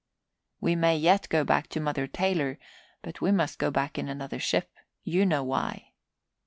We may yet go back to Mother Taylor, but we must go back in another ship. You know why.